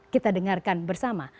kita dengarkan bersama